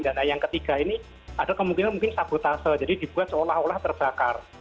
dan yang ketiga ini ada kemungkinan mungkin sabotase jadi dibuat seolah olah terbakar